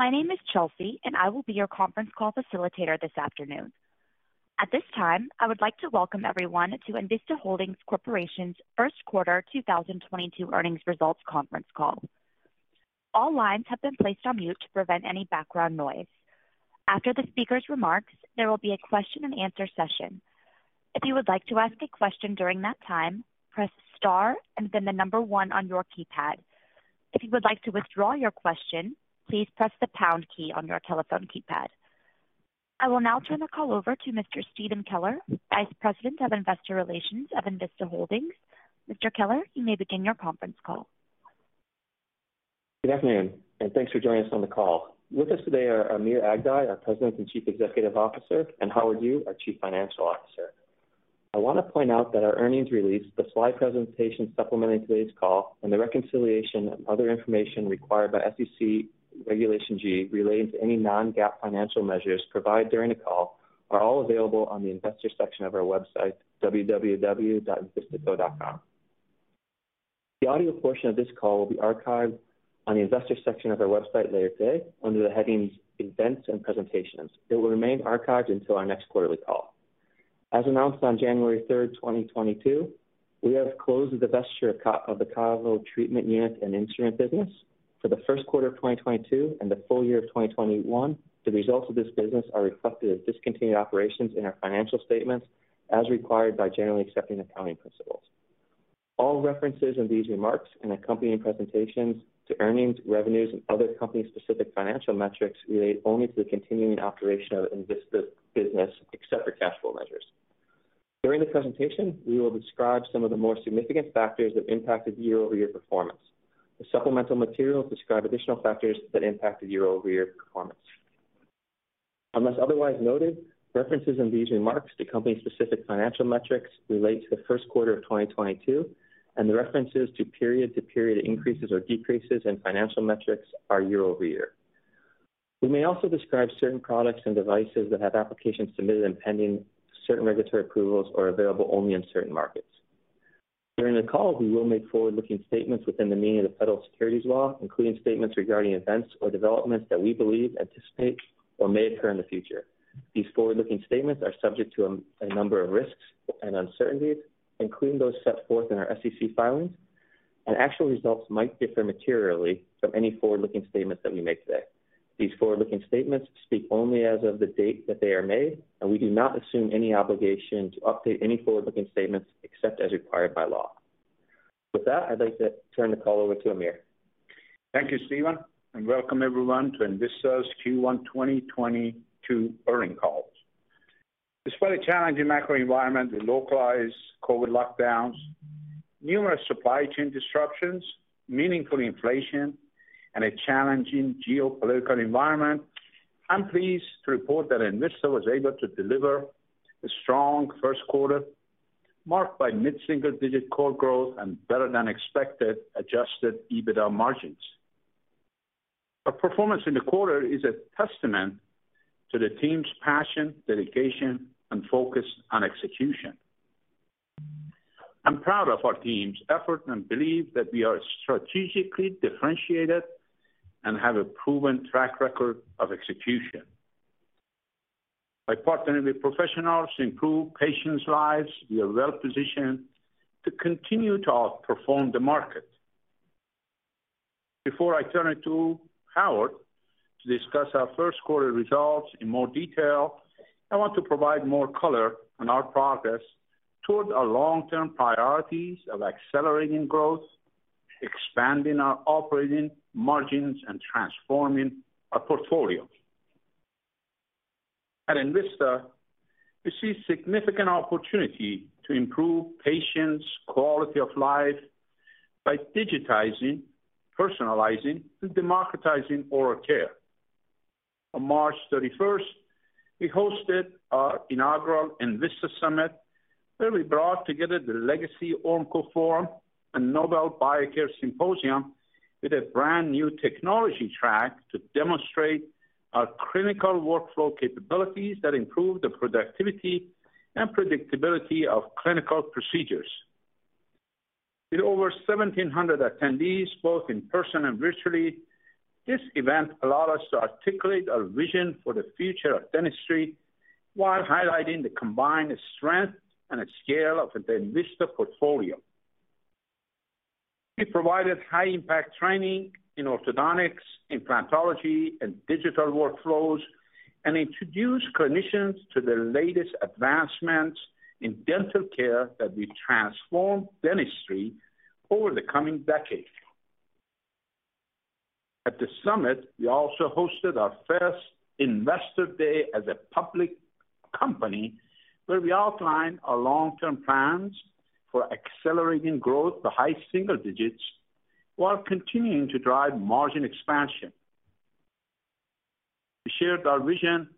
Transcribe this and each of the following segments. My name is Chelsea, and I will be your conference call facilitator this afternoon. At this time, I would like to welcome everyone to Envista Holdings Corporation's first quarter 2022 earnings results conference call. All lines have been placed on mute to prevent any background noise. After the speaker's remarks, there will be a question-and-answer session. If you would like to ask a question during that time, press star and then one on your keypad. If you would like to withdraw your question, please press the pound key on your telephone keypad. I will now turn the call over to Mr. Stephen Keller, Vice President of Investor Relations of Envista Holdings. Mr. Keller, you may begin your conference call. Good afternoon and thanks for joining us on the call. With us today are Amir Aghdaei, our President and Chief Executive Officer, and Howard Yu, our Chief Financial Officer. I want to point out that our earnings release, the slide presentation supplementing today's call and the reconciliation of other information required by SEC Regulation G relating to any non-GAAP financial measures provided during the call are all available on the investor section of our website, www.envistaco.com. The audio portion of this call will be archived on the investor section of our website later today under the headings Events and Presentations. It will remain archived until our next quarterly call. As announced on January 3rd, 2022, we have closed the divestiture of the KaVo treatment unit and instrument business. For the first quarter of 2022 and the full year of 2021, the results of this business are reflected as discontinued operations in our financial statements as required by generally accepted accounting principles. All references in these remarks and accompanying presentations to earnings, revenues and other company-specific financial metrics relate only to the continuing operation of Envista business, except for cash flow measures. During the presentation, we will describe some of the more significant factors that impacted year-over-year performance. The supplemental materials describe additional factors that impacted year-over-year performance. Unless otherwise noted, references in these remarks to company-specific financial metrics relate to the first quarter of 2022, and the references to period-to-period increases or decreases in financial metrics are year-over-year. We may also describe certain products and devices that have applications submitted and pending certain regulatory approvals or available only in certain markets. During the call, we will make forward-looking statements within the meaning of the federal securities law, including statements regarding events or developments that we believe, anticipate or may occur in the future. These forward-looking statements are subject to a number of risks and uncertainties, including those set forth in our SEC filings, and actual results might differ materially from any forward-looking statements that we make today. These forward-looking statements speak only as of the date that they are made, and we do not assume any obligation to update any forward-looking statements except as required by law. With that, I'd like to turn the call over to Amir. Thank you, Stephen, and welcome everyone to Envista's Q1 2022 earnings call. Despite a challenging macro environment with localized COVID lockdowns, numerous supply chain disruptions, meaningful inflation and a challenging geopolitical environment, I'm pleased to report that Envista was able to deliver a strong first quarter marked by mid-single-digit core growth and better than expected adjusted EBITDA margins. Our performance in the quarter is a testament to the team's passion, dedication and focus on execution. I'm proud of our team's effort and believe that we are strategically differentiated and have a proven track record of execution. By partnering with professionals to improve patients' lives, we are well positioned to continue to outperform the market. Before I turn it to Howard to discuss our first quarter results in more detail, I want to provide more color on our progress toward our long-term priorities of accelerating growth, expanding our operating margins, and transforming our portfolio. At Envista, we see significant opportunity to improve patients' quality of life by digitizing, personalizing, and democratizing oral care. On March thirty-first, we hosted our inaugural Envista Summit, where we brought together the legacy Ormco Forum and Nobel Biocare Symposium with a brand-new technology track to demonstrate our clinical workflow capabilities that improve the productivity and predictability of clinical procedures. With over 1,700 attendees, both in person and virtually, this event allowed us to articulate our vision for the future of dentistry while highlighting the combined strength and scale of the Envista portfolio. We provided high-impact training in orthodontics, implantology and digital workflows and introduced clinicians to the latest advancements in dental care that will transform dentistry over the coming decade. At the summit, we also hosted our first Investor Day as a public company, where we outlined our long-term plans for accelerating growth to high single digits while continuing to drive margin expansion. We shared our vision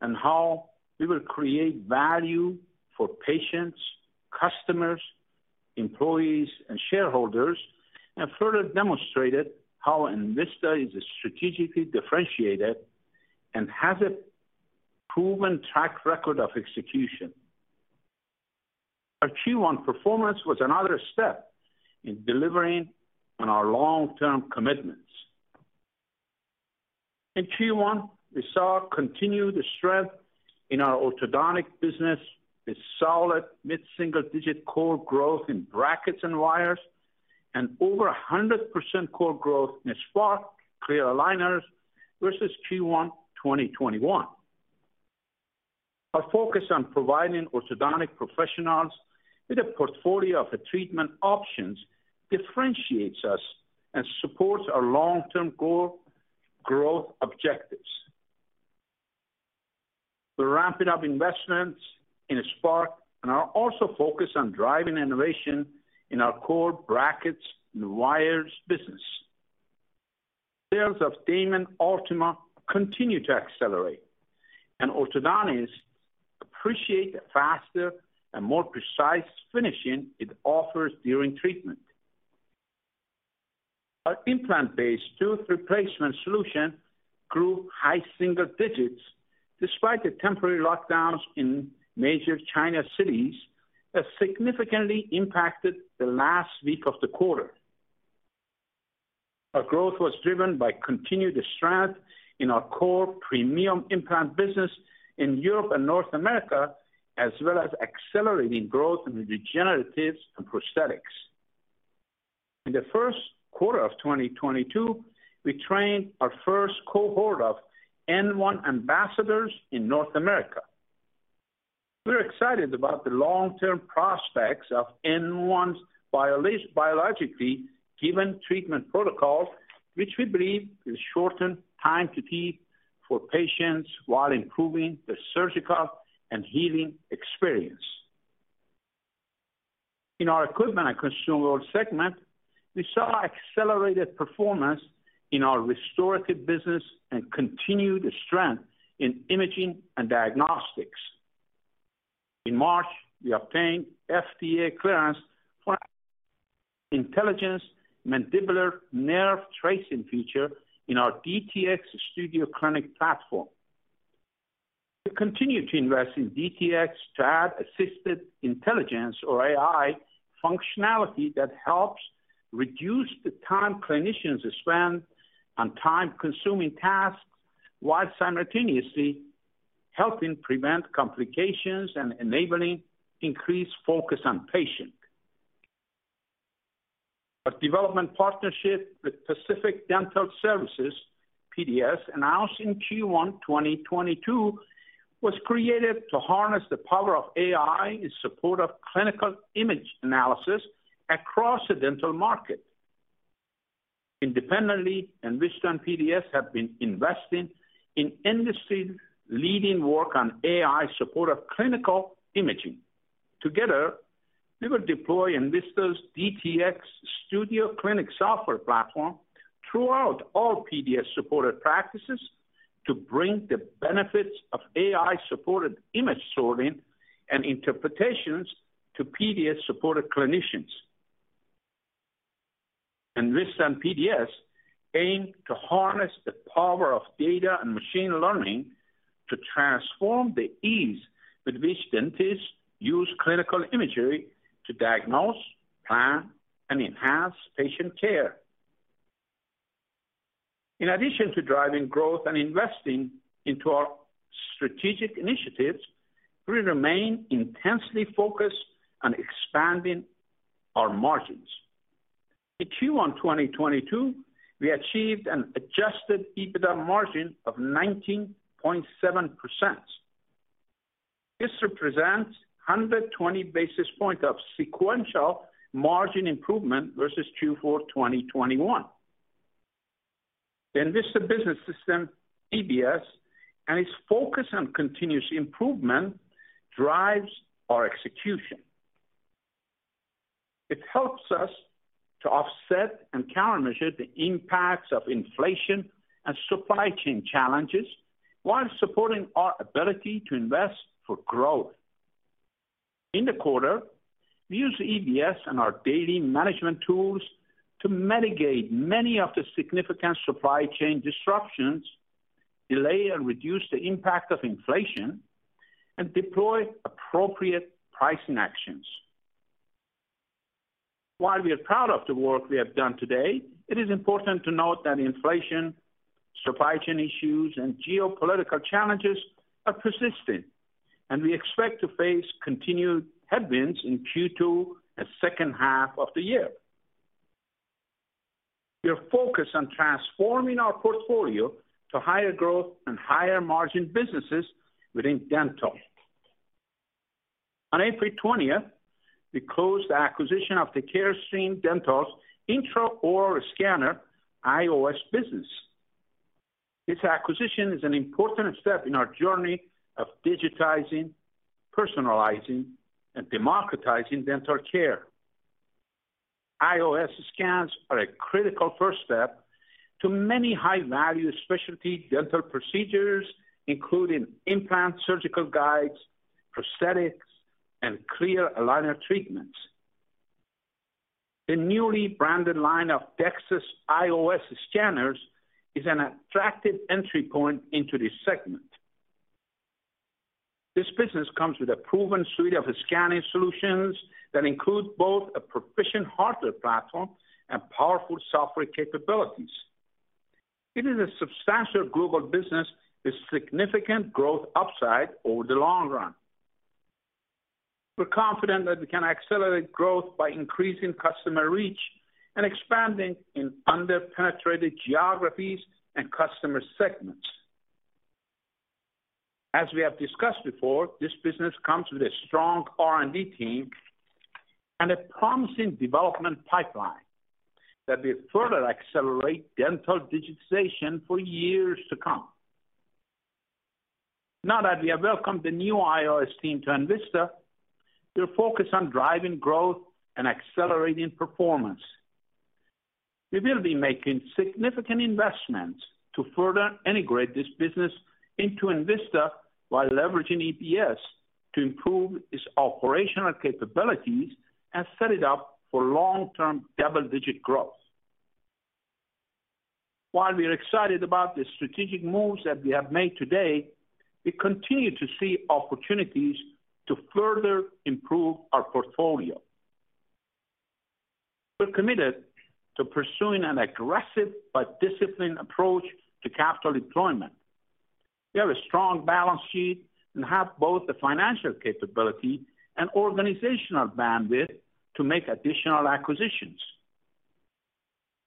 and how we will create value for patients, customers, employees and shareholders, and further demonstrated how Envista is strategically differentiated and has a proven track record of execution. Our Q1 performance was another step in delivering on our long-term commitments. In Q1, we saw continued strength in our orthodontic business with solid mid-single digit core growth in brackets and wires and over 100% core growth in Spark clear aligners versus Q1 2021. Our focus on providing orthodontic professionals with a portfolio of treatment options differentiates us and supports our long-term core growth objectives. We're ramping up investments in Spark and are also focused on driving innovation in our core brackets and wires business. Sales of Damon Ultima continue to accelerate, and orthodontists appreciate the faster and more precise finishing it offers during treatment. Our implant-based tooth replacement solution grew high single digits despite the temporary lockdowns in major China cities that significantly impacted the last week of the quarter. Our growth was driven by continued strength in our core premium implant business in Europe and North America, as well as accelerating growth in the regeneratives and prosthetics. In the first quarter of 2022, we trained our first cohort of N1 ambassadors in North America. We're excited about the long-term prospects of N1's biologically-driven treatment protocol, which we believe will shorten time to teeth for patients while improving the surgical and healing experience. In our equipment and consumable segment, we saw accelerated performance in our restorative business and continued strength in imaging and diagnostics. In March, we obtained FDA clearance for intelligent mandibular nerve tracing feature in our DTX Studio Clinic platform. We continue to invest in DTX to add assisted intelligence or AI functionality that helps reduce the time clinicians spend on time-consuming tasks while simultaneously helping prevent complications and enabling increased focus on patient. Our development partnership with Pacific Dental Services, PDS, announced in Q1 2022, was created to harness the power of AI in support of clinical image analysis across the dental market. Independently, Envista and PDS have been investing in industry-leading work on AI support of clinical imaging. Together, we will deploy Envista's DTX Studio Clinic software platform throughout all PDS-supported practices to bring the benefits of AI-supported image sorting and interpretations to PDS-supported clinicians. Envista and PDS aim to harness the power of data and machine learning to transform the ease with which dentists use clinical imagery to diagnose, plan, and enhance patient care. In addition to driving growth and investing into our strategic initiatives, we remain intensely focused on expanding our margins. In Q1 2022, we achieved an adjusted EBITDA margin of 19.7%. This represents 120 basis points of sequential margin improvement versus Q4 2021. Envista Business System, EBS, and its focus on continuous improvement drives our execution. It helps us to offset and countermeasure the impacts of inflation and supply chain challenges while supporting our ability to invest for growth. In the quarter, we used EBS and our daily management tools to mitigate many of the significant supply chain disruptions, delay and reduce the impact of inflation, and deploy appropriate pricing actions. While we are proud of the work we have done today, it is important to note that inflation, supply chain issues, and geopolitical challenges are persistent, and we expect to face continued headwinds in Q2 and second half of the year. We are focused on transforming our portfolio to higher growth and higher margin businesses within dental. On April 20th, we closed the acquisition of the Carestream Dental's intraoral scanner IOS business. This acquisition is an important step in our journey of digitizing, personalizing, and democratizing dental care. IOS scans are a critical first step to many high-value specialty dental procedures, including implant surgical guides, prosthetics, and clear aligner treatments. The newly branded line of DEXIS IOS scanners is an attractive entry point into this segment. This business comes with a proven suite of scanning solutions that include both a proficient hardware platform and powerful software capabilities. It is a substantial global business with significant growth upside over the long run. We're confident that we can accelerate growth by increasing customer reach and expanding in under-penetrated geographies and customer segments. As we have discussed before, this business comes with a strong R&D team and a promising development pipeline that will further accelerate dental digitization for years to come. Now that we have welcomed the new IOS team to Envista, we're focused on driving growth and accelerating performance. We will be making significant investments to further integrate this business into Envista while leveraging EBS to improve its operational capabilities and set it up for long-term double-digit growth. While we are excited about the strategic moves that we have made today, we continue to see opportunities to further improve our portfolio. We're committed to pursuing an aggressive but disciplined approach to capital deployment. We have a strong balance sheet and have both the financial capability and organizational bandwidth to make additional acquisitions.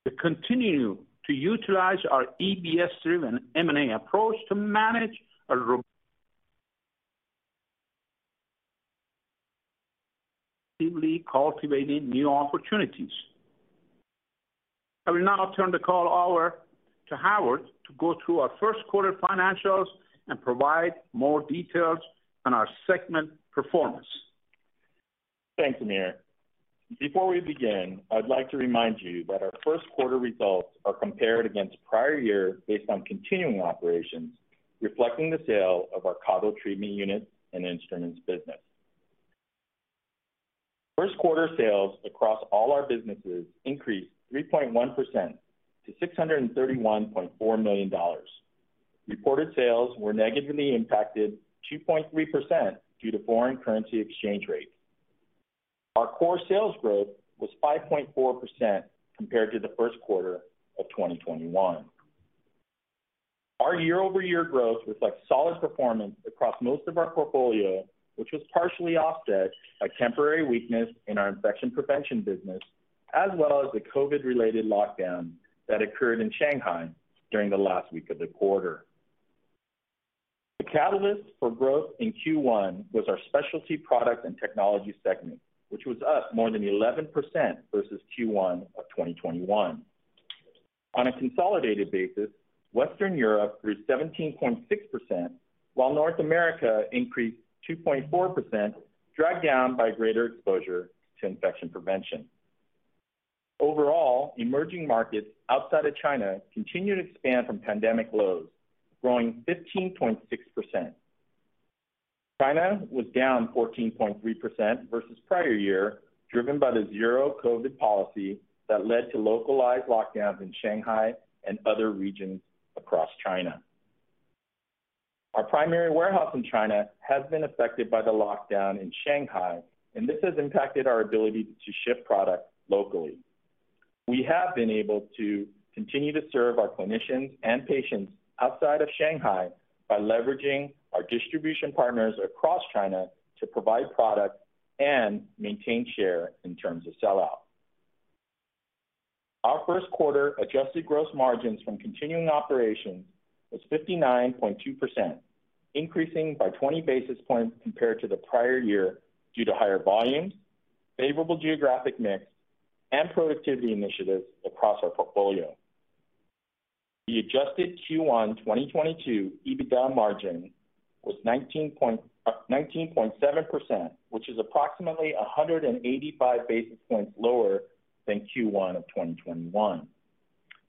We continue to utilize our EBS-driven M&A approach to manage proactively cultivating new opportunities. I will now turn the call over to Howard to go through our first quarter financials and provide more details on our segment performance. Thanks, Amir. Before we begin, I'd like to remind you that our first quarter results are compared against prior year based on continuing operations, reflecting the sale of our KaVo treatment unit and instruments business. First quarter sales across all our businesses increased 3.1% to $631.4 million. Reported sales were negatively impacted 2.3% due to foreign currency exchange rate. Our core sales growth was 5.4% compared to the first quarter of 2021. Our year-over-year growth reflects solid performance across most of our portfolio, which was partially offset by temporary weakness in our infection prevention business, as well as the COVID-related lockdown that occurred in Shanghai during the last week of the quarter. The catalyst for growth in Q1 was our specialty products and technology segment, which was up more than 11% versus Q1 of 2021. On a consolidated basis, Western Europe grew 17.6%, while North America increased 2.4%, dragged down by greater exposure to infection prevention. Overall, emerging markets outside of China continued to expand from pandemic lows, growing 15.6%. China was down 14.3% versus prior year, driven by the zero COVID policy that led to localized lockdowns in Shanghai and other regions across China. Our primary warehouse in China has been affected by the lockdown in Shanghai, and this has impacted our ability to ship product locally. We have been able to continue to serve our clinicians and patients outside of Shanghai by leveraging our distribution partners across China to provide product and maintain share in terms of sellout. Our first quarter adjusted gross margins from continuing operations was 59.2%, increasing by 20 basis points compared to the prior year due to higher volumes, favorable geographic mix, and productivity initiatives across our portfolio. The adjusted Q1 2022 EBITDA margin was 19.7%, which is approximately 185 basis points lower than Q1 of 2021.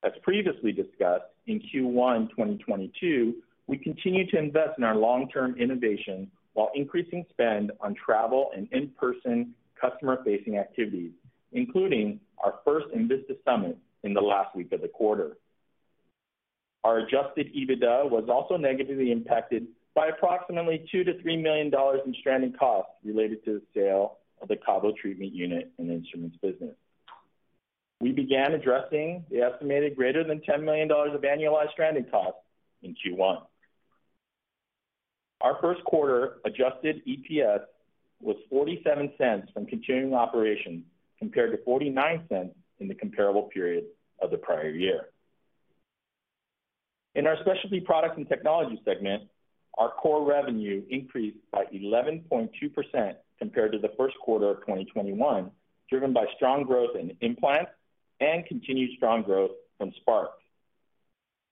As previously discussed, in Q1 2022, we continued to invest in our long-term innovation while increasing spend on travel and in-person customer-facing activities, including our first Envista Summit in the last week of the quarter. Our adjusted EBITDA was also negatively impacted by approximately $2 million-$3 million in stranding costs related to the sale of the KaVo treatment unit and instruments business. We began addressing the estimated greater than $10 million of annualized stranding costs in Q1. Our first quarter adjusted EPS was $0.47 from continuing operations compared to $0.49 in the comparable period of the prior year. In our specialty products and technology segment, our core revenue increased by 11.2% compared to the first quarter of 2021, driven by strong growth in implants and continued strong growth from Spark.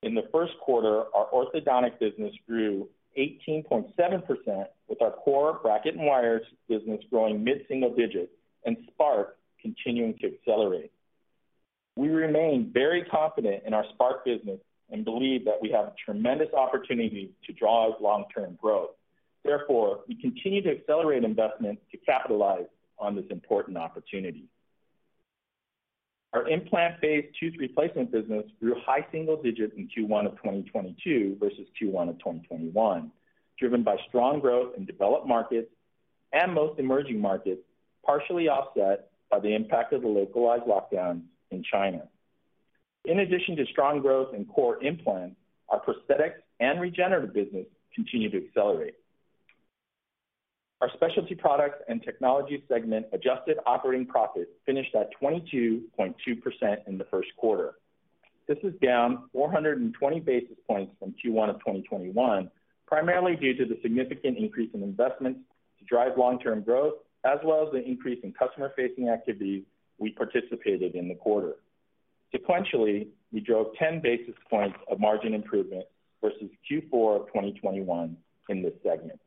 In the first quarter, our orthodontic business grew 18.7%, with our core bracket and wires business growing mid-single digits and Spark continuing to accelerate. We remain very confident in our Spark business and believe that we have tremendous opportunity to drive long-term growth. Therefore, we continue to accelerate investment to capitalize on this important opportunity. Our implant-based tooth replacement business grew high single digits in Q1 of 2022 versus Q1 of 2021, driven by strong growth in developed markets and most emerging markets, partially offset by the impact of the localized lockdowns in China. In addition to strong growth in core implants, our prosthetics and regenerative business continued to accelerate. Our specialty products and technology segment adjusted operating profit finished at 22.2% in the first quarter. This is down 420 basis points from Q1 of 2021, primarily due to the significant increase in investment to drive long-term growth, as well as the increase in customer-facing activities we participated in the quarter. Sequentially, we drove 10 basis points of margin improvement versus Q4 of 2021 in this segment.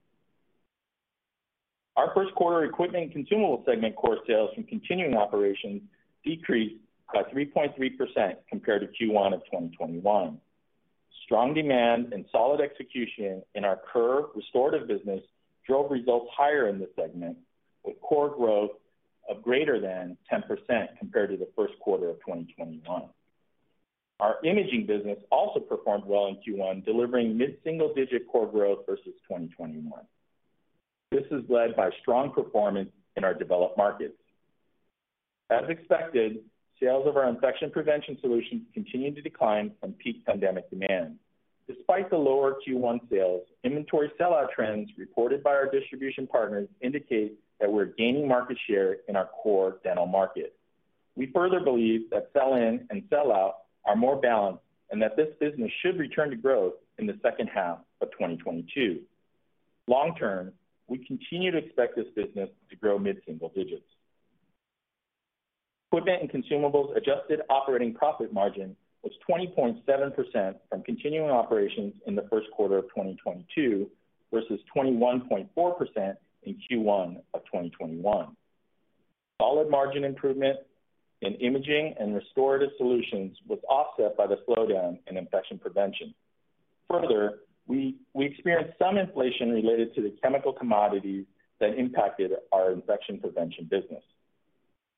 Our first quarter equipment and consumable segment core sales from continuing operations decreased by 3.3% compared to Q1 of 2021. Strong demand and solid execution in our Kerr restorative business drove results higher in the segment, with core growth of greater than 10% compared to the first quarter of 2021. Our imaging business also performed well in Q1, delivering mid-single-digit core growth versus 2021. This is led by strong performance in our developed markets. As expected, sales of our infection prevention solutions continued to decline from peak pandemic demand. Despite the lower Q1 sales, inventory sellout trends reported by our distribution partners indicate that we're gaining market share in our core dental market. We further believe that sell-in and sellout are more balanced and that this business should return to growth in the second half of 2022. Long term, we continue to expect this business to grow mid-single digits. Equipment and consumables adjusted operating profit margin was 20.7% from continuing operations in the first quarter of 2022 versus 21.4% in Q1 of 2021. Solid margin improvement in imaging and restorative solutions was offset by the slowdown in infection prevention. Further, we experienced some inflation related to the chemical commodities that impacted our infection prevention business.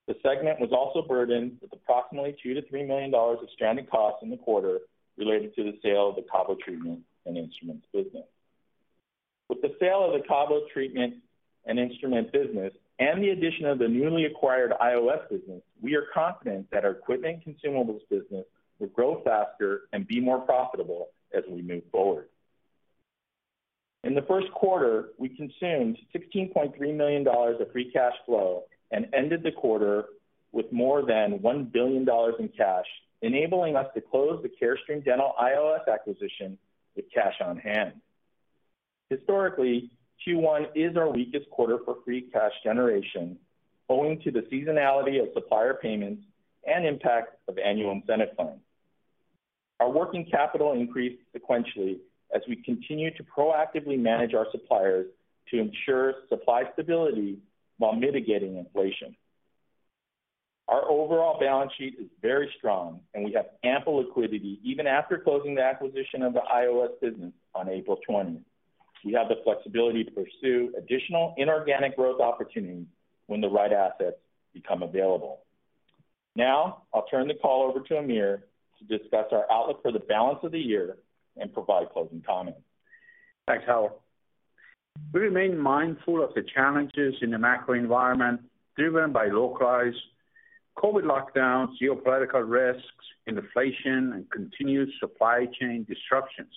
The segment was also burdened with approximately $2 million-$3 million of stranded costs in the quarter related to the sale of the KaVo treatment and instruments business. With the sale of the KaVo treatment and instrument business and the addition of the newly acquired IOS business, we are confident that our equipment and consumables business will grow faster and be more profitable as we move forward. In the first quarter, we consumed $16.3 million of free cash flow and ended the quarter with more than $1 billion in cash, enabling us to close the Carestream Dental IOS acquisition with cash on hand. Historically, Q1 is our weakest quarter for free cash generation, owing to the seasonality of supplier payments and impact of annual incentive plans. Our working capital increased sequentially as we continue to proactively manage our suppliers to ensure supply stability while mitigating inflation. Our overall balance sheet is very strong, and we have ample liquidity even after closing the acquisition of the IOS business on April twentieth. We have the flexibility to pursue additional inorganic growth opportunities when the right assets become available. Now I'll turn the call over to Amir to discuss our outlook for the balance of the year and provide closing comments. Thanks, Howard. We remain mindful of the challenges in the macro environment driven by localized COVID lockdowns, geopolitical risks, inflation, and continued supply chain disruptions.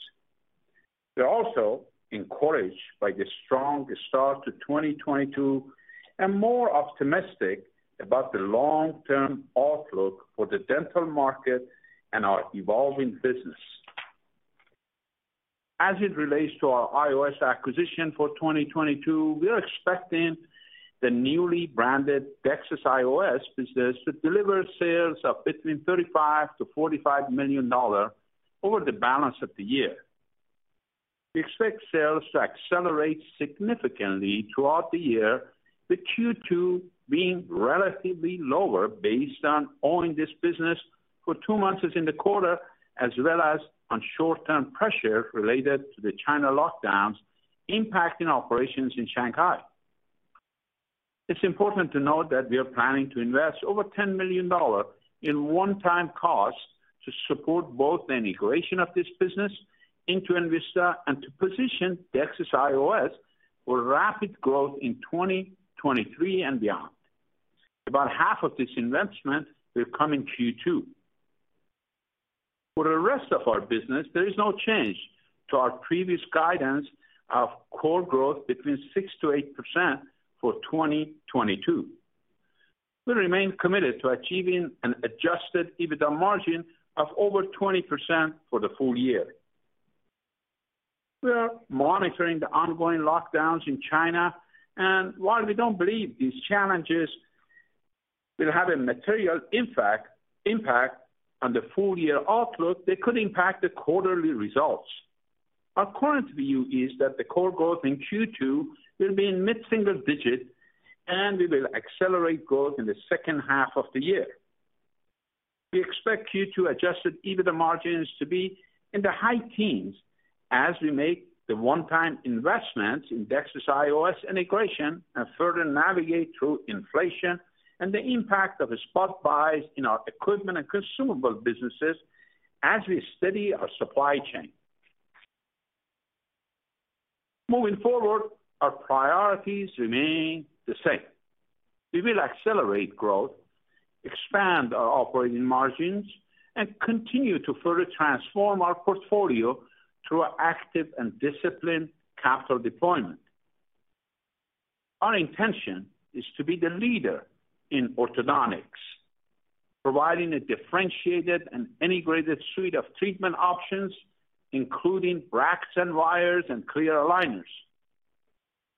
We're also encouraged by the strong start to 2022 and more optimistic about the long-term outlook for the dental market and our evolving business. As it relates to our IOS acquisition for 2022, we are expecting the newly branded DEXIS IOS business to deliver sales of between $35 million-$45 million over the balance of the year. We expect sales to accelerate significantly throughout the year, with Q2 being relatively lower based on owning this business for two months in the quarter, as well as on short-term pressure related to the China lockdowns impacting operations in Shanghai. It's important to note that we are planning to invest over $10 million in one-time costs to support both the integration of this business into Envista and to position DEXIS IOS for rapid growth in 2023 and beyond. About half of this investment will come in Q2. For the rest of our business, there is no change to our previous guidance of core growth between 6%-8% for 2022. We remain committed to achieving an adjusted EBITDA margin of over 20% for the full year. We are monitoring the ongoing lockdowns in China, and while we don't believe these challenges will have a material impact on the full-year outlook, they could impact the quarterly results. Our current view is that the core growth in Q2 will be in mid-single digit and we will accelerate growth in the second half of the year. We expect Q2 adjusted EBITDA margins to be in the high teens as we make the one-time investments in DEXIS IOS integration and further navigate through inflation and the impact of the spot buys in our equipment and consumable businesses as we steady our supply chain. Moving forward, our priorities remain the same. We will accelerate growth, expand our operating margins, and continue to further transform our portfolio through active and disciplined capital deployment. Our intention is to be the leader in orthodontics, providing a differentiated and integrated suite of treatment options, including brackets and wires and clear aligners.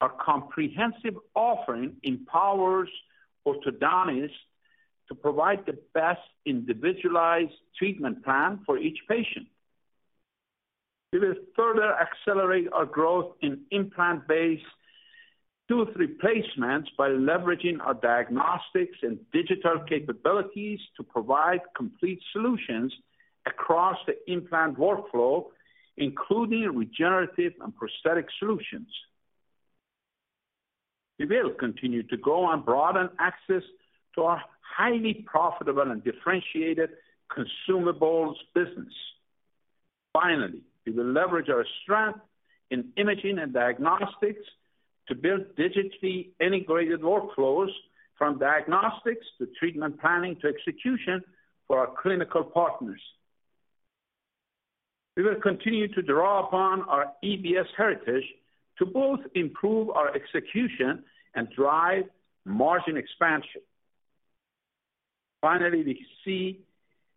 Our comprehensive offering empowers orthodontists to provide the best individualized treatment plan for each patient. We will further accelerate our growth in implant-based tooth replacements by leveraging our diagnostics and digital capabilities to provide complete solutions across the implant workflow, including regenerative and prosthetic solutions. We will continue to grow and broaden access to our highly profitable and differentiated consumables business. Finally, we will leverage our strength in imaging and diagnostics to build digitally integrated workflows from diagnostics to treatment planning to execution for our clinical partners. We will continue to draw upon our EBS heritage to both improve our execution and drive margin expansion. Finally, we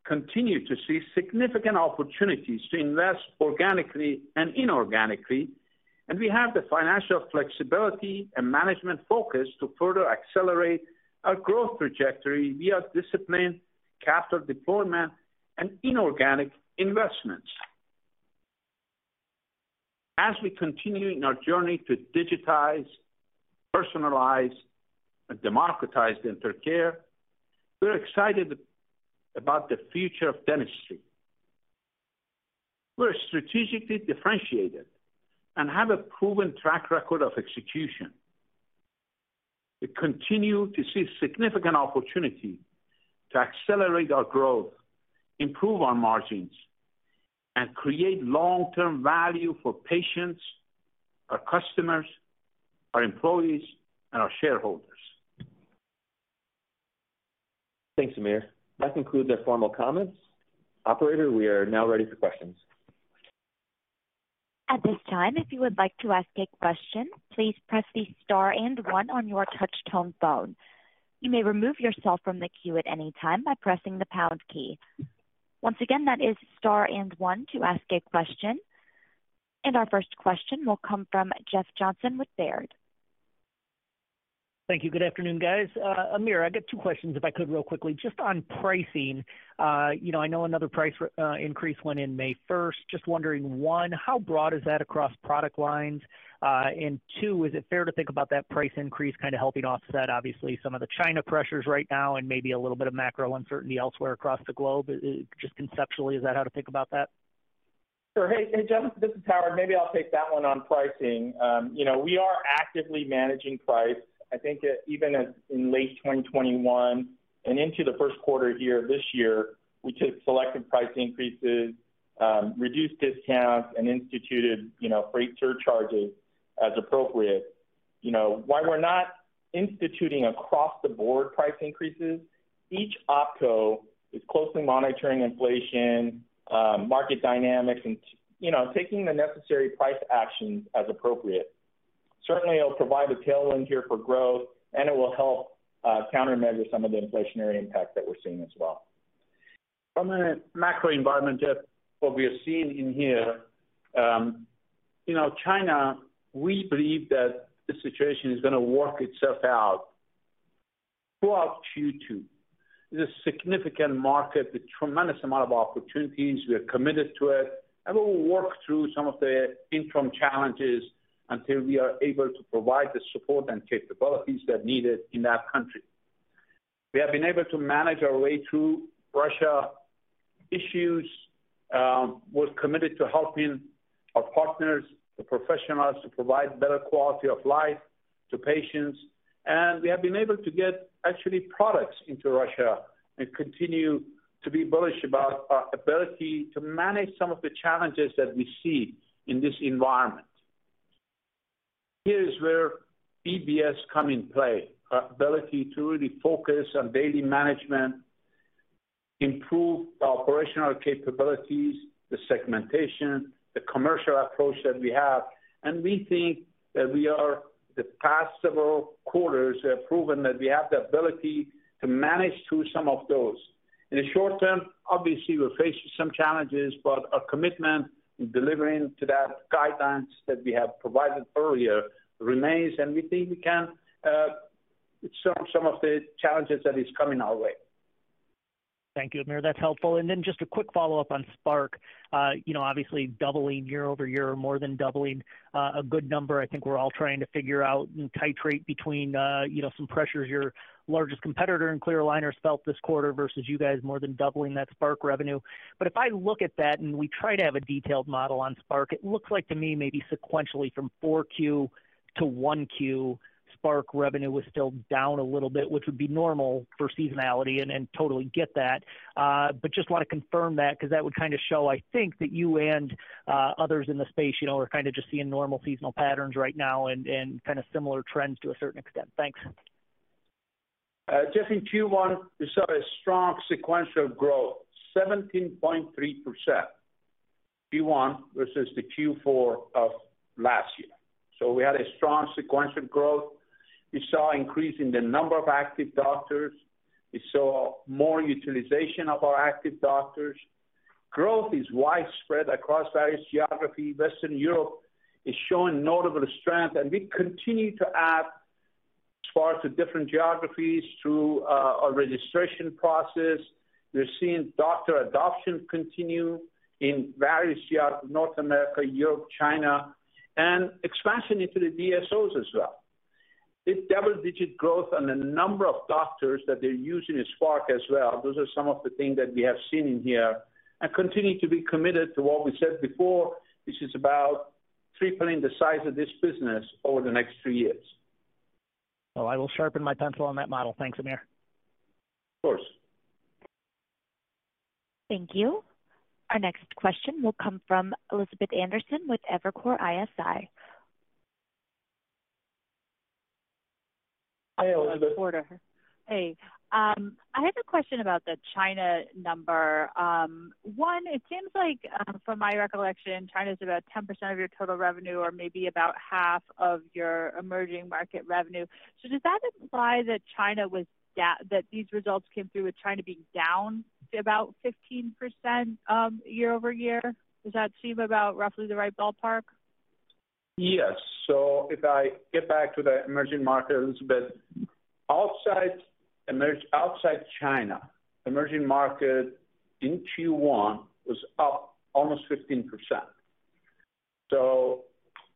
continue to see significant opportunities to invest organically and inorganically, and we have the financial flexibility and management focus to further accelerate our growth trajectory via disciplined capital deployment and inorganic investments. As we continue in our journey to digitize, personalize, and democratize dental care, we're excited about the future of dentistry. We're strategically differentiated and have a proven track record of execution. We continue to see significant opportunity to accelerate our growth, improve our margins, and create long-term value for patients, our customers, our employees, and our shareholders. Thanks, Amir. That concludes our formal comments. Operator, we are now ready for questions. At this time, if you would like to ask a question, please press the star and one on your touch tone phone. You may remove yourself from the queue at any time by pressing the pound key. Once again, that is star and one to ask a question. Our first question will come from Jeff Johnson with Baird. Thank you. Good afternoon, guys. Amir, I got two questions, if I could, real quickly. Just on pricing, you know, I know another price increase went in May 1st. Just wondering, one, how broad is that across product lines? And two, is it fair to think about that price increase kinda helping offset obviously some of the China pressures right now and maybe a little bit of macro uncertainty elsewhere across the globe? Just conceptually, is that how to think about that? Sure. Hey, Jeff, this is Howard. Maybe I'll take that one on pricing. You know, we are actively managing price. I think that even as in late 2021 and into the first quarter here this year, we took selective price increases, reduced discounts, and instituted, you know, freight surcharges as appropriate. You know, while we're not instituting across-the-board price increases, each opco is closely monitoring inflation, market dynamics, and, you know, taking the necessary price actions as appropriate. Certainly, it'll provide a tailwind here for growth, and it will help countermeasure some of the inflationary impact that we're seeing as well. From a macro environment, Jeff, what we are seeing in here, you know, China, we believe that the situation is gonna work itself out throughout Q2. It is a significant market with tremendous amount of opportunities. We are committed to it, and we will work through some of the interim challenges until we are able to provide the support and capabilities that are needed in that country. We have been able to manage our way through Russia issues, we're committed to helping our partners, the professionals, to provide better quality of life to patients, and we have been able to get actually products into Russia and continue to be bullish about our ability to manage some of the challenges that we see in this environment. Here is where EBS come in play. Our ability to really focus on daily management, improve the operational capabilities, the segmentation, the commercial approach that we have, and we think that we are, the past several quarters, have proven that we have the ability to manage through some of those. In the short term, obviously, we're facing some challenges, but our commitment in delivering to that guidance that we have provided earlier remains, and we think we can solve some of the challenges that is coming our way. Thank you, Amir. That's helpful. Just a quick follow-up on Spark. You know, obviously doubling year-over-year or more than doubling, a good number. I think we're all trying to figure out and titrate between, you know, some pressures your largest competitor in clear aligners felt this quarter versus you guys more than doubling that Spark revenue. If I look at that and we try to have a detailed model on Spark, it looks like to me maybe sequentially from 4Q to 1Q, Spark revenue was still down a little bit, which would be normal for seasonality and totally get that. Just want to confirm that because that would kind of show, I think, that you and others in the space, you know, are kind of just seeing normal seasonal patterns right now and kind of similar trends to a certain extent? Thanks. Just in Q1, we saw a strong sequential growth, 17.3% Q1 versus the Q4 of last year. We had a strong sequential growth. We saw increase in the number of active doctors. We saw more utilization of our active doctors. Growth is widespread across various geography. Western Europe is showing notable strength, and we continue to add Spark to different geographies through our registration process. We're seeing doctor adoption continue in various geographies: North America, Europe, China, and expansion into the DSOs as well. It's double-digit growth on the number of doctors that they're using Spark as well. Those are some of the things that we have seen in here and continue to be committed to what we said before, which is about tripling the size of this business over the next three years. Well, I will sharpen my pencil on that model. Thanks, Amir. Of course. Thank you. Our next question will come from Elizabeth Anderson with Evercore ISI. Hey, Elizabeth. Hey. I have a question about the China number. One, it seems like from my recollection, China's about 10% of your total revenue or maybe about half of your emerging market revenue. Does that imply that these results came through with China being down to about 15%, year-over-year? Does that seem about roughly the right ballpark? Yes. If I get back to the emerging markets a bit, outside China, emerging market in Q1 was up almost 15%.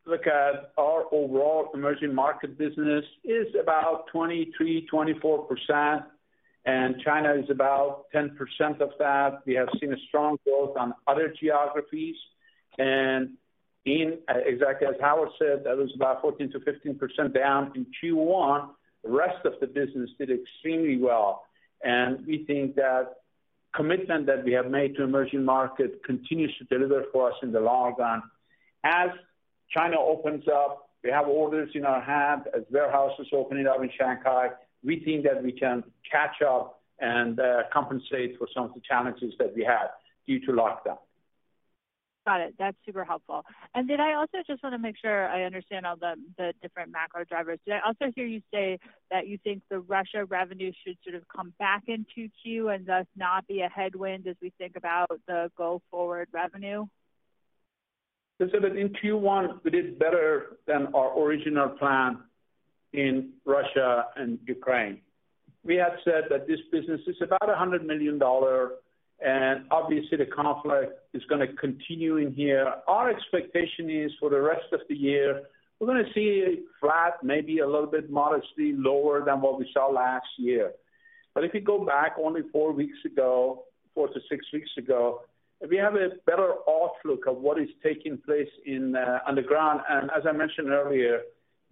Look at our overall emerging market business is about 23%-24%, and China is about 10% of that. We have seen a strong growth on other geographies. Exactly as Howard said, that was about 14%-15% down in Q1. The rest of the business did extremely well. We think that commitment that we have made to emerging markets continues to deliver for us in the long run. As China opens up, we have orders in our hand as warehouses opening up in Shanghai. We think that we can catch up and compensate for some of the challenges that we had due to lockdown. Got it. That's super helpful. I also just want to make sure I understand all the different macro drivers. Did I also hear you say that you think the Russia revenue should sort of come back in 2Q and thus not be a headwind as we think about the go-forward revenue? We said that in Q1, we did better than our original plan in Russia and Ukraine. We have said that this business is about $100 million, and obviously the conflict is gonna continue in here. Our expectation is for the rest of the year, we're gonna see flat, maybe a little bit modestly lower than what we saw last year. If you go back only four weeks ago, four to six weeks ago, we have a better outlook of what is taking place in on the ground. As I mentioned earlier,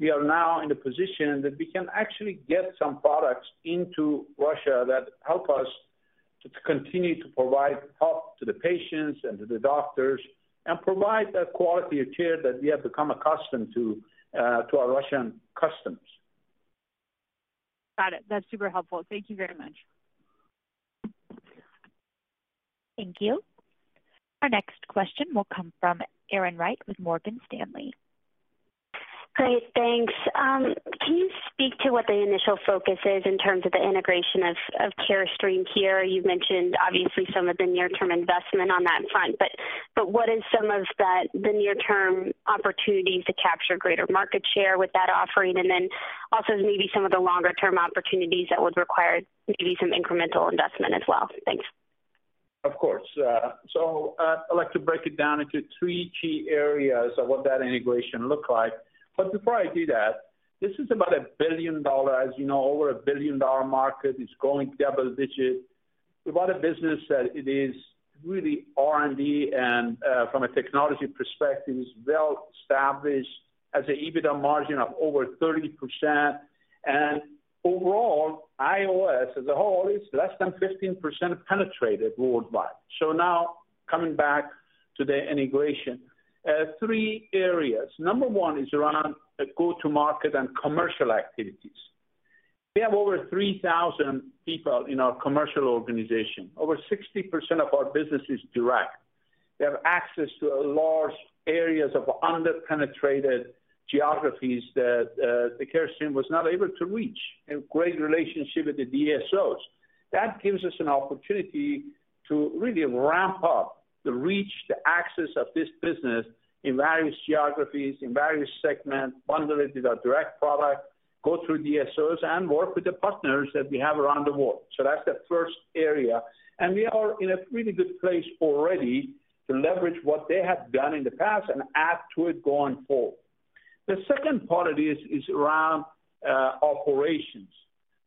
we are now in a position that we can actually get some products into Russia that help us to continue to provide help to the patients and to the doctors and provide a quality of care that we have become accustomed to to our Russian customers. Got it. That's super helpful. Thank you very much. Thank you. Our next question will come from Erin Wright with Morgan Stanley. Great. Thanks. Can you speak to what the initial focus is in terms of the integration of Carestream here? You've mentioned obviously some of the near-term investment on that front, but what is some of that, the near-term opportunities to capture greater market share with that offering? And then also maybe some of the longer-term opportunities that would require maybe some incremental investment as well? Thanks. Of course. I'd like to break it down into three key areas of what that integration look like. Before I do that, this is about $1 billion, as you know, over $1 billion market. It's growing double digits. We've got a business that it is really R&D and from a technology perspective, is well established as a EBITDA margin of over 30%. Overall, IOS as a whole is less than 15% penetrated worldwide. Now coming back to the integration, three areas. Number one is around a go-to market and commercial activities. We have over 3,000 people in our commercial organization. Over 60% of our business is direct. They have access to a large areas of under-penetrated geographies that the Carestream was not able to reach, and great relationship with the DSOs. That gives us an opportunity to really ramp up the reach, the access of this business in various geographies, in various segments, bundle it with our direct product, go through DSOs and work with the partners that we have around the world. That's the first area. We are in a really good place already to leverage what they have done in the past and add to it going forward. The second part of this is around operations.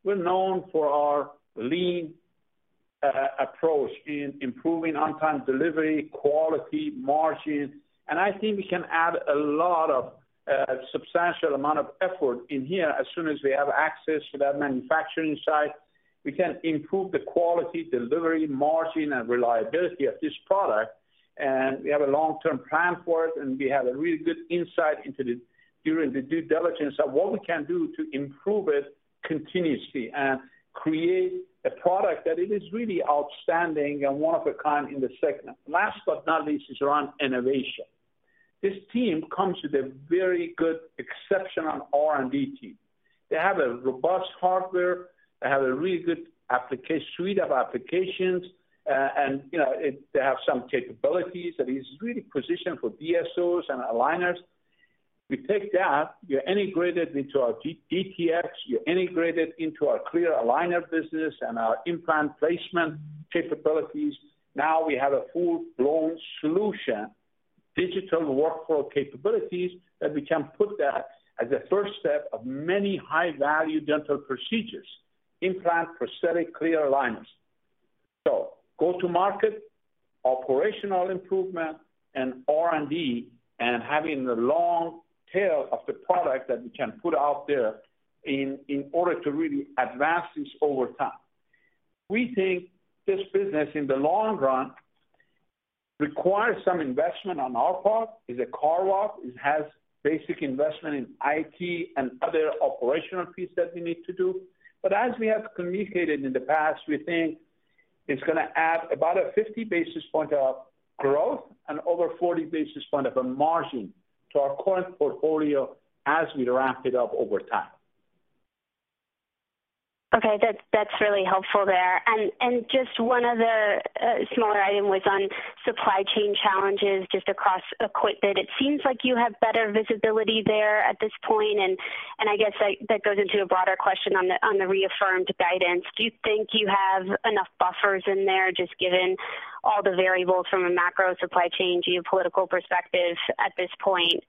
We're known for our lean approach in improving on-time delivery, quality, margins, and I think we can add a lot of substantial amount of effort in here as soon as we have access to that manufacturing site. We can improve the quality, delivery, margin and reliability of this product. We have a long-term plan for it, and we have a really good insight into the due diligence of what we can do to improve it continuously and create a product that it is really outstanding and one of a kind in the segment. Last but not least is around innovation. This team comes with a very good exceptional R&D team. They have a robust hardware, they have a really good suite of applications. And you know, they have some capabilities that is really positioned for DSOs and aligners. We take that, you integrate it into our DTX, you integrate it into our clear aligner business and our implant placement capabilities. Now we have a full-blown solution, digital workflow capabilities that we can put that as a first step of many high-value dental procedures, implant, prosthetic, clear aligners. Go to market, operational improvement and R&D, and having the long tail of the product that we can put out there in order to really advance this over time. We think this business in the long run requires some investment on our part. It's a car wash, it has basic investment in IT and other operational piece that we need to do. As we have communicated in the past, we think it's gonna add about a 50 basis point of growth and over 40 basis point of a margin to our current portfolio as we ramp it up over time. Okay. That's really helpful there. Just one other smaller item was on supply chain challenges just across equipment. It seems like you have better visibility there at this point. I guess that goes into a broader question on the reaffirmed guidance. Do you think you have enough buffers in there just given all the variables from a macro supply chain geopolitical perspective at this point?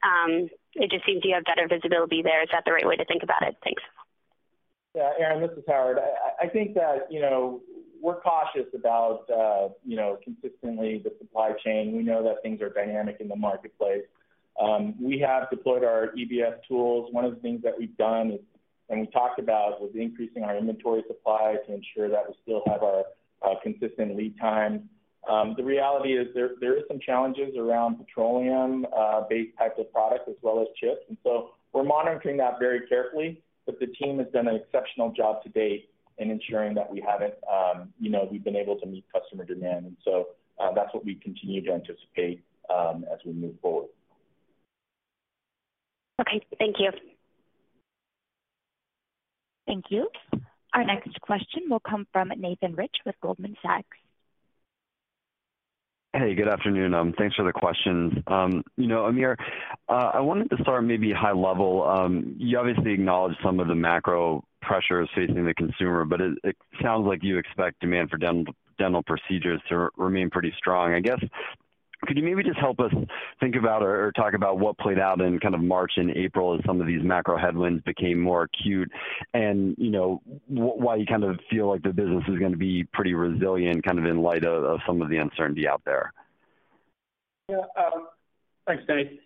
It just seems to have better visibility there. Is that the right way to think about it? Thanks. Yeah, Erin, this is Howard. I think that, you know, we're cautious about, you know, the consistency of the supply chain. We know that things are dynamic in the marketplace. We have deployed our EBS tools. One of the things that we've done, and we talked about, is increasing our inventory supply to ensure that we still have our consistent lead time. The reality is there is some challenges around petroleum-based type of product as well as chips, and so we're monitoring that very carefully. The team has done an exceptional job to date in ensuring that we've been able to meet customer demand. That's what we continue to anticipate as we move forward. Okay, thank you. Thank you. Our next question will come from Nathan Rich with Goldman Sachs. Hey, good afternoon. Thanks for the questions. You know, Amir, I wanted to start maybe high level. You obviously acknowledged some of the macro pressures facing the consumer, but it sounds like you expect demand for dental procedures to remain pretty strong. I guess, could you maybe just help us think about or talk about what played out in kind of March and April as some of these macro headwinds became more acute? You know, why you kind of feel like the business is gonna be pretty resilient, kind of in light of some of the uncertainty out there? Yeah. Thanks, Nathan.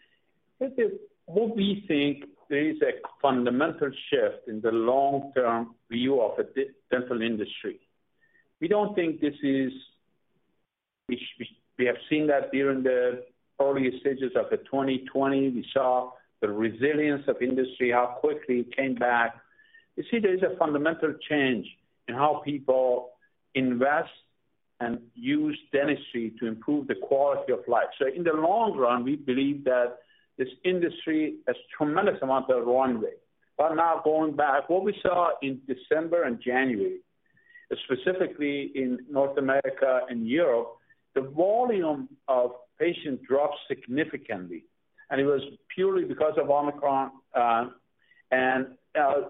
I think what we think there is a fundamental shift in the long-term view of the dental industry. We have seen that during the earliest stages of 2020. We saw the resilience of industry, how quickly it came back. You see there is a fundamental change in how people invest and use dentistry to improve the quality of life. In the long run, we believe that this industry has tremendous amount of runway. Now going back, what we saw in December and January, specifically in North America and Europe, the volume of patients dropped significantly, and it was purely because of Omicron.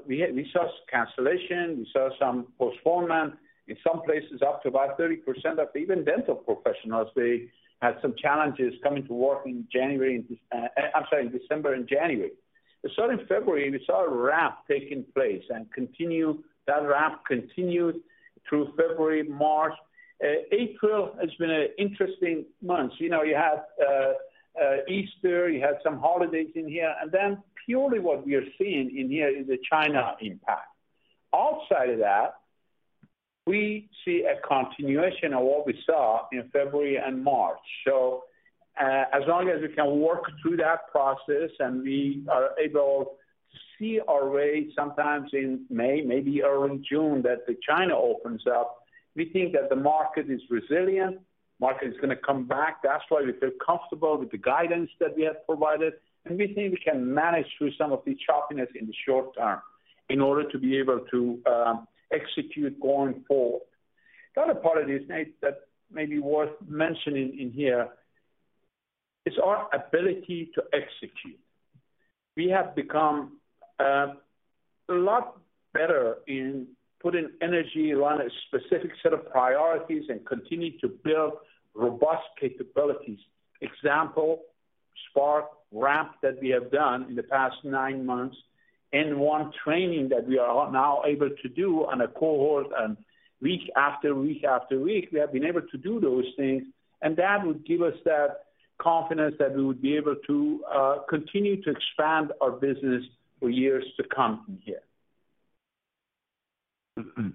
We saw cancellation, we saw some postponement. In some places up to about 30% of even dental professionals, they had some challenges coming to work in December and January. We saw it in February, we saw a ramp taking place and continue. That ramp continued through February, March. April has been an interesting month. You know, you had Easter, you had some holidays in here. Then purely what we are seeing in here is the China impact. Outside of that, we see a continuation of what we saw in February and March. As long as we can work through that process and we are able to see our way sometimes in May, maybe early June, that the China opens up, we think that the market is resilient. Market is going to come back. That's why we feel comfortable with the guidance that we have provided, and we think we can manage through some of the choppiness in the short term in order to be able to execute going forward. The other part of this, Nate, that may be worth mentioning in here is our ability to execute. We have become a lot better in putting energy around a specific set of priorities and continue to build robust capabilities. Example, Spark ramp that we have done in the past nine months, N1 training that we are now able to do on a cohort, and week after week after week, we have been able to do those things, and that would give us that confidence that we would be able to continue to expand our business for years to come from here.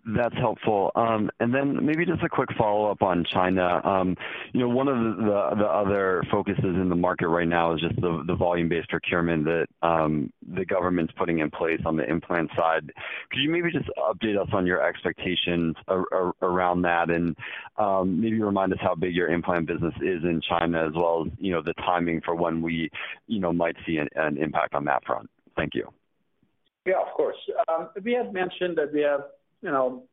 That's helpful. Maybe just a quick follow-up on China. You know, one of the other focuses in the market right now is just the volume-based procurement that the government's putting in place on the implant side. Could you maybe just update us on your expectations around that and maybe remind us how big your implant business is in China as well, you know, the timing for when we, you know, might see an impact on that front? Thank you. Yeah, of course. We have mentioned that we have, you know,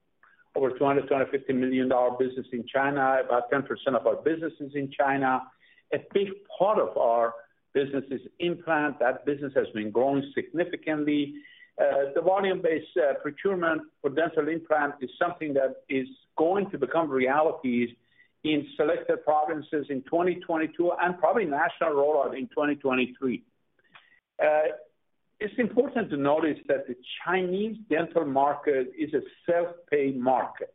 over $250 million business in China. About 10% of our business is in China. A big part of our business is implant. That business has been growing significantly. The volume-based procurement for dental implant is something that is going to become realities in selected provinces in 2022 and probably national rollout in 2023. It's important to notice that the Chinese dental market is a self-pay market.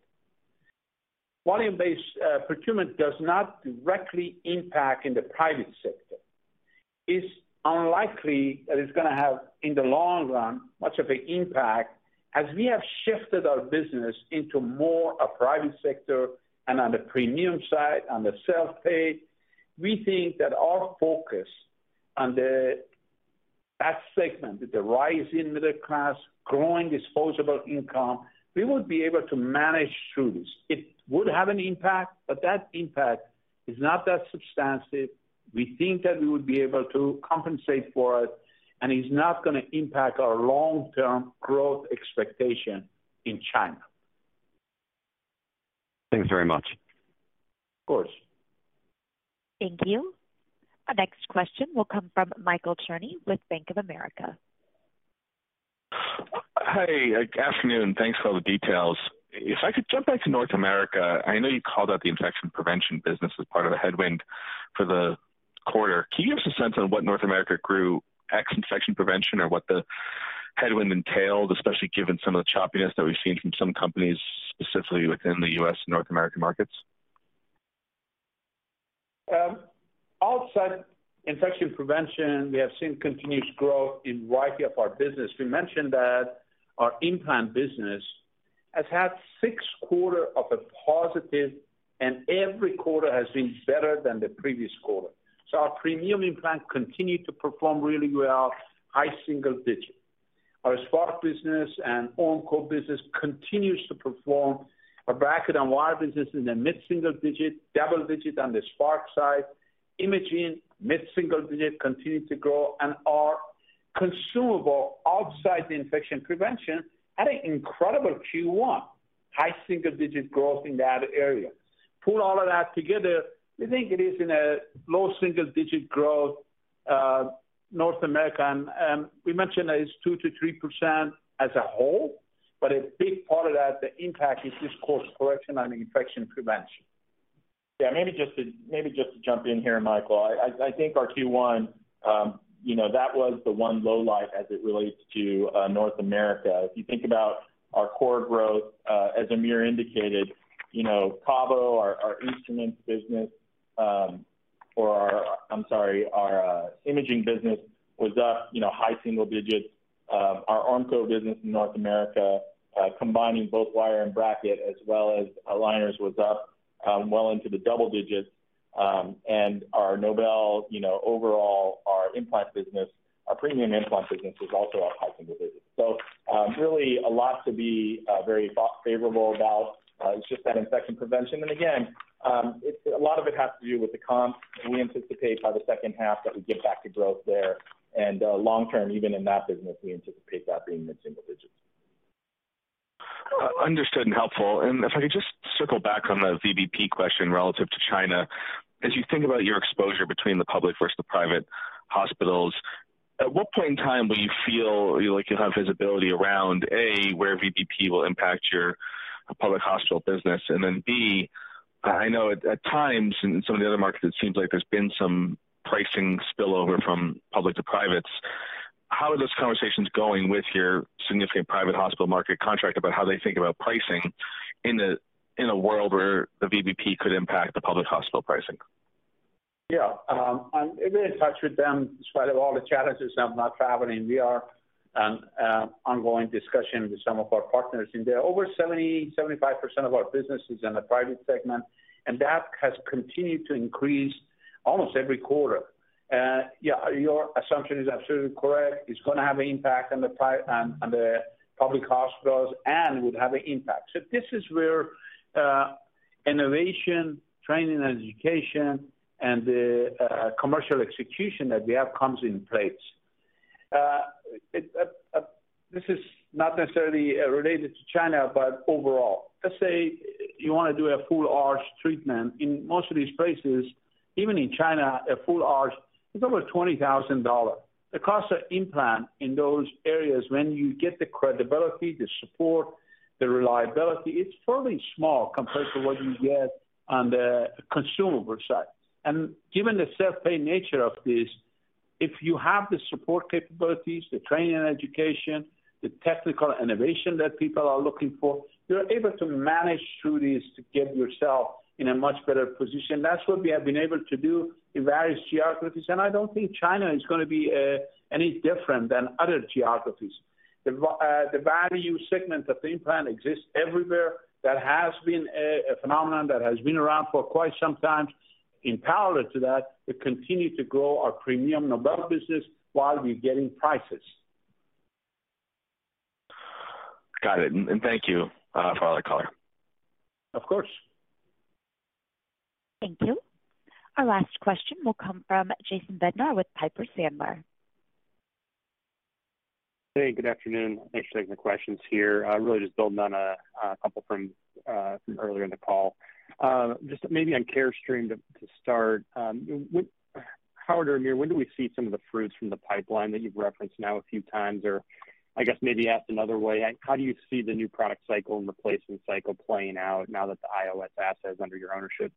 Volume-based procurement does not directly impact in the private sector. It's unlikely that it's going to have, in the long run, much of an impact as we have shifted our business into more a private sector and on the premium side, on the self-pay. We think that our focus on the segment, with the rise in middle class, growing disposable income, we would be able to manage through this. It would have an impact, but that impact is not that substantive. We think that we would be able to compensate for it, and it's not going to impact our long-term growth expectation in China. Thanks very much. Of course. Thank you. Our next question will come from Michael Cherny with Bank of America. Hey. Afternoon. Thanks for all the details. If I could jump back to North America, I know you called out the infection prevention business as part of the headwind for the quarter. Can you give us a sense on what North America grew ex-infection prevention or what the headwind entailed, especially given some of the choppiness that we've seen from some companies, specifically within the U.S. and North American markets? Outside infection prevention, we have seen continuous growth in a variety of our businesses. We mentioned that our implant business has had six quarters of positive, and every quarter has been better than the previous quarter. Our premium implant continued to perform really well, high single-digit%. Our Spark business and Ormco business continues to perform. Our bracket and wire business is in the mid-single-digit%, double-digit% on the Spark side. Imaging, mid-single-digit%, continue to grow. Our consumables outside the infection prevention had an incredible Q1, high single-digit% growth in that area. Pull all of that together, we think it is in a low single-digit% growth, North America. We mentioned that it's 2%-3% as a whole, but a big part of that, the impact is this course correction on infection prevention. Yeah, maybe just to jump in here, Michael. I think our Q1, you know, that was the one low light as it relates to North America. If you think about our core growth, as Amir indicated, you know, KaVo, our instruments business, or our imaging business was up, you know, high single digits. Our Ormco business in North America, combining both wire and bracket as well as aligners was up, well into the double digits. And our Nobel, you know, overall our implant business, our premium implant business was also up high single digits. So, really a lot to be very favorable about, it's just that infection prevention. Again, a lot of it has to do with the comps. We anticipate by the second half that we get back to growth there. Long term, even in that business, we anticipate that being mid-single digits. Understood and helpful. If I could just circle back on the VBP question relative to China. As you think about your exposure between the public versus the private hospitals, at what point in time will you feel like you'll have visibility around, A, where VBP will impact your public hospital business, and then, B, I know at times in some of the other markets, it seems like there's been some pricing spillover from public to privates? How are those conversations going with your significant private hospital market contract about how they think about pricing in a world where the VBP could impact the public hospital pricing? Yeah. I'm in touch with them despite of all the challenges of not traveling. We are on ongoing discussion with some of our partners, and over 75% of our business is in the private segment, and that has continued to increase almost every quarter. Yeah, your assumption is absolutely correct. It's gonna have an impact on the public hospitals and would have an impact. This is where innovation, training, and education and the commercial execution that we have comes in place. This is not necessarily related to China, but overall. Let's say you wanna do a full arch treatment. In most of these places, even in China, a full arch is over $20,000. The cost of implant in those areas when you get the credibility, the support, the reliability, it's fairly small compared to what you get on the consumable side. Given the self-pay nature of this, if you have the support capabilities, the training and education, the technical innovation that people are looking for, you're able to manage through this to get yourself in a much better position. That's what we have been able to do in various geographies, and I don't think China is gonna be any different than other geographies. The value segment of the implant exists everywhere. That has been a phenomenon that has been around for quite some time. In parallel to that, we continue to grow our premium Nobel business while we're getting prices. Got it. Thank you. Final call. Of course. Thank you. Our last question will come from Jason Bednar with Piper Sandler. Hey, good afternoon. Thanks for taking the questions here. Really just building on a couple from earlier in the call. Just maybe on Carestream to start. How, Amir, when do we see some of the fruits from the pipeline that you've referenced now a few times? Or I guess maybe asked another way, how do you see the new product cycle and replacement cycle playing out now that the IOS asset is under your ownership?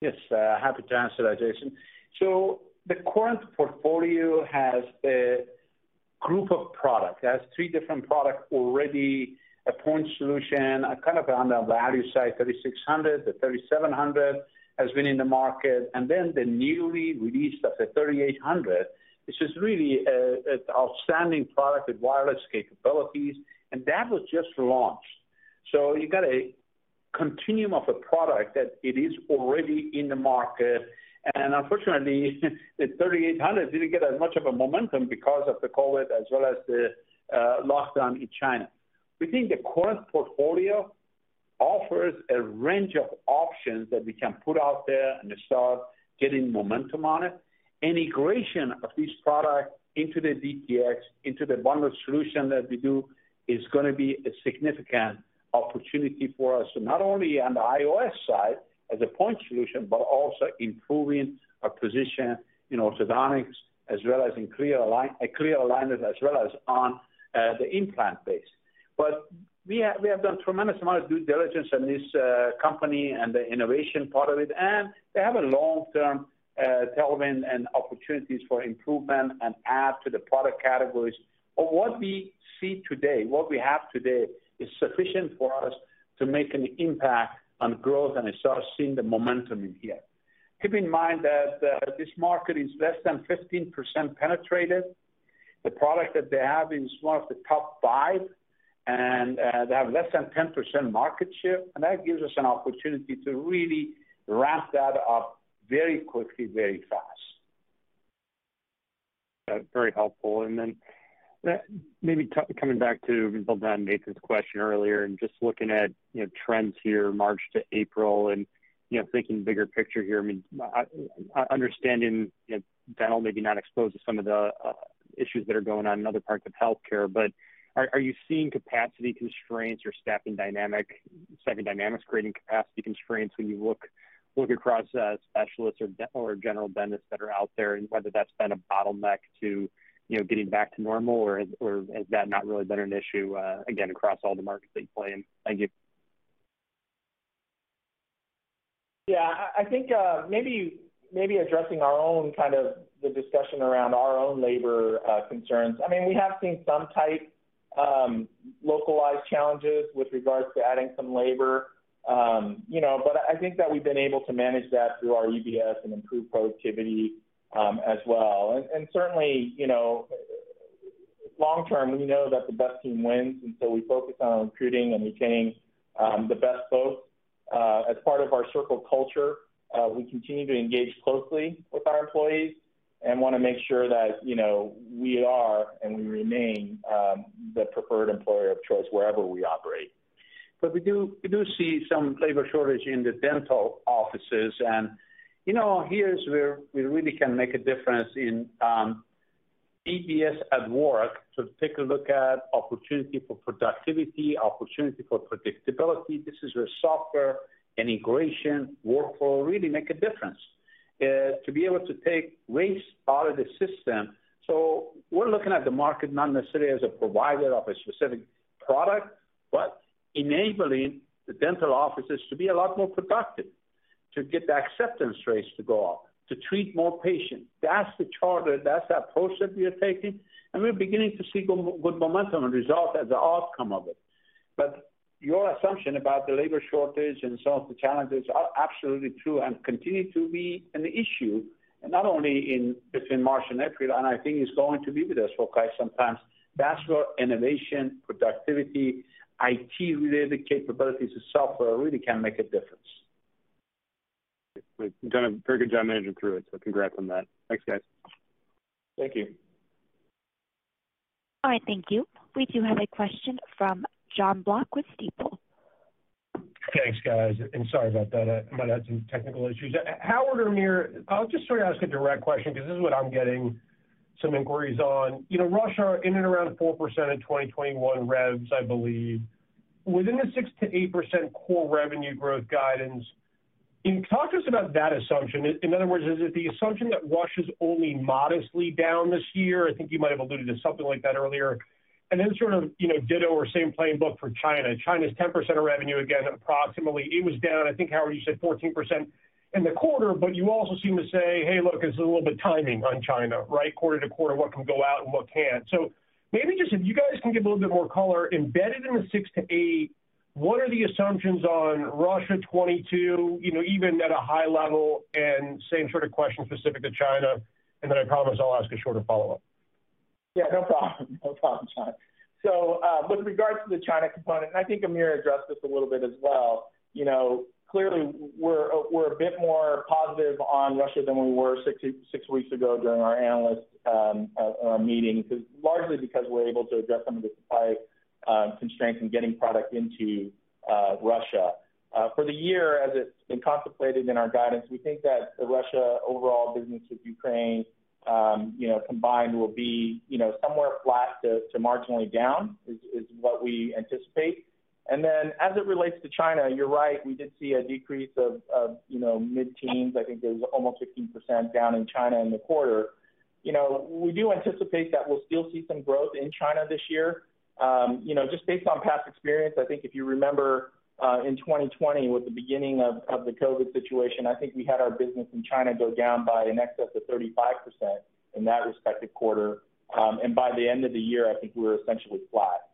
Yes, happy to answer that, Jason. The current portfolio has a group of products. It has three different products already, a point solution, a kind of on the value side, 3600, the 3700 has been in the market, and then the newly released of the 3800, which is really a, an outstanding product with wireless capabilities, and that was just launched. You got a continuum of a product that it is already in the market. Unfortunately, the 3800 didn't get as much of a momentum because of the COVID as well as the lockdown in China. We think the current portfolio offers a range of options that we can put out there and start getting momentum on it. Integration of these products into the DTX, into the bundled solution that we do is gonna be a significant opportunity for us, not only on the iOS side as a point solution, but also improving our position in orthodontics as well as in clear aligners as well as on the implant base. We have done tremendous amount of due diligence on this company and the innovation part of it, and they have a long-term talent and opportunities for improvement and add to the product categories. What we see today, what we have today, is sufficient for us to make an impact on growth, and it starts seeing the momentum in here. Keep in mind that this market is less than 15% penetrated. The product that they have is one of the top five, and they have less than 10% market share, and that gives us an opportunity to really ramp that up very quickly, very fast. That's very helpful. Then maybe coming back to build on Nathan's question earlier and just looking at, you know, trends here March to April and, you know, thinking bigger picture here. I mean, understanding, you know, dental maybe not exposed to some of the issues that are going on in other parts of healthcare, but are you seeing capacity constraints or staffing dynamics creating capacity constraints when you look across specialists or general dentists that are out there, and whether that's been a bottleneck to, you know, getting back to normal, or has that not really been an issue, again, across all the markets that you play in? Thank you. Yeah. I think maybe addressing our own kind of the discussion around our own labor concerns. I mean, we have seen some type localized challenges with regards to adding some labor. You know, but I think that we've been able to manage that through our EBS and improve productivity as well. Certainly, you know, long term, we know that the best team wins, and so we focus on recruiting and retaining the best both. As part of our core culture, we continue to engage closely with our employees and wanna make sure that, you know, we are and we remain the preferred employer of choice wherever we operate. We do see some labor shortage in the dental offices. You know, here is where we really can make a difference in EBS at work to take a look at opportunity for productivity, opportunity for predictability. This is where software and integration workflow really make a difference. To be able to take waste out of the system. We're looking at the market not necessarily as a provider of a specific product, but enabling the dental offices to be a lot more productive, to get the acceptance rates to go up, to treat more patients. That's the charter, that's that approach that we are taking, and we're beginning to see good momentum and results as the outcome of it. Your assumption about the labor shortage and some of the challenges are absolutely true and continue to be an issue, and not only in between March and April, and I think it's going to be with us for quite some time. That's where innovation, productivity, IT-related capabilities to software really can make a difference. You've done a very good job managing through it, so congrats on that. Thanks, guys. Thank you. All right. Thank you. We do have a question from Jon Block with Stifel. Thanks, guys, and sorry about that. I might have had some technical issues. Howard or Amir, I'll just sort of ask a direct question because this is what I'm getting some inquiries on. You know, Russia in and around 4% in 2021 revs, I believe. Within the 6%-8% core revenue growth guidance, can you talk to us about that assumption? In other words, is it the assumption that Russia's only modestly down this year? I think you might have alluded to something like that earlier. Then sort of, you know, ditto or same playbook for China. China's 10% of revenue, again, approximately. It was down, I think, Howard, you said 14% in the quarter, but you also seem to say, "Hey, look, it's a little bit timing on China," right? Quarter to quarter, what can go out and what can't. Maybe just if you guys can give a little bit more color embedded in the 6%-8%, what are the assumptions on Russia 2022, you know, even at a high level, and same sort of question specific to China, and then I promise I'll ask a shorter follow-up. Yeah, no problem. No problem, John. With regards to the China component, and I think Amir addressed this a little bit as well, you know, clearly we're a bit more positive on Russia than we were six weeks ago during our analyst meeting, largely because we're able to address some of the supply constraints in getting product into Russia. For the year as it's been contemplated in our guidance, we think that the Russia overall business with Ukraine, you know, combined will be, you know, somewhere flat to marginally down, is what we anticipate. Then as it relates to China, you're right, we did see a decrease of mid-teens. I think it was almost 15% down in China in the quarter. You know, we do anticipate that we'll still see some growth in China this year. You know, just based on past experience, I think if you remember, in 2020 with the beginning of the COVID situation, I think we had our business in China go down by in excess of 35% in that respective quarter. By the end of the year, I think we were essentially flat.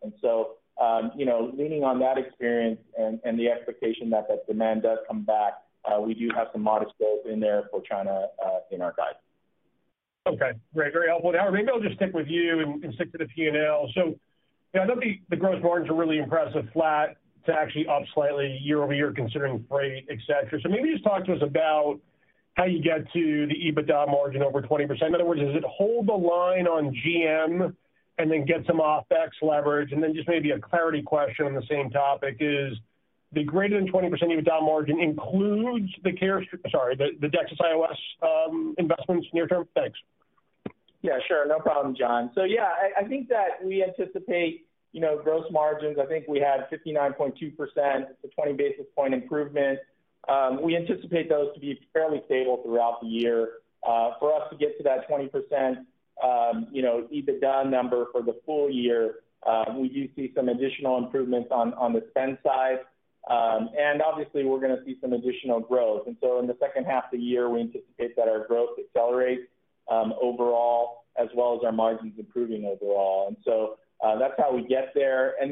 You know, leaning on that experience and the expectation that demand does come back, we do have some modest growth in there for China in our guidance. Okay. Great. Very helpful. Now, maybe I'll just stick with you and stick to the P&L. You know, I know the gross margins are really impressive, flat to actually up slightly year-over-year considering freight, et cetera. Maybe just talk to us about how you get to the EBITDA margin over 20%. In other words, does it hold the line on GM and then get some OpEx leverage? Just maybe a clarity question on the same topic is, the greater than 20% EBITDA margin includes the DEXIS IOS investments near term? Thanks. Yeah, sure. No problem, John. Yeah, I think that we anticipate, you know, gross margins. I think we had 59.2%, a 20 basis point improvement. We anticipate those to be fairly stable throughout the year. For us to get to that 20% EBITDA number for the full year, we do see some additional improvements on the spend side. Obviously, we're gonna see some additional growth. In the second half of the year, we anticipate that our growth accelerates, overall, as well as our margins improving overall. That's how we get there. As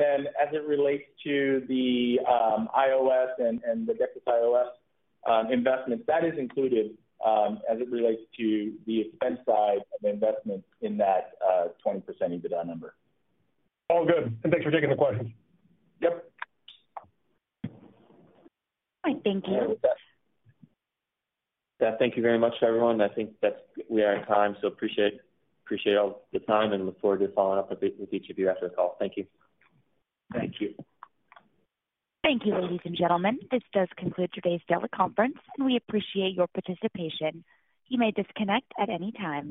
it relates to the IOS and the DEXIS IOS investments, that is included as it relates to the expense side of investments in that 20% EBITDA number. All good. Thanks for taking the question. Yep. All right. Thank you. Yeah, with that. Thank you very much to everyone. I think that's. We are at time, so appreciate all the time and look forward to following up with each of you after the call. Thank you. Thank you. Thank you, ladies and gentlemen. This does conclude today's teleconference, and we appreciate your participation. You may disconnect at any time.